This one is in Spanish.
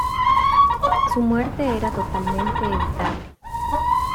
Su muerte era totalmente evitable".